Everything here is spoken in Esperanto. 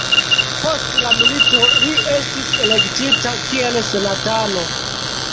Post la milito li estis elektita kiel senatano.